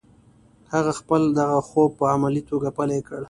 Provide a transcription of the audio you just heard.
هغه خپل دغه خوب په عملي توګه پلی کړ